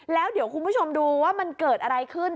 แล้วเดี๋ยวคุณผู้ชมดูว่ามันเกิดอะไรขึ้น